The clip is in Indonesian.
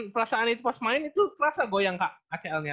perasaan itu pas main itu kerasa goyang kak acl nya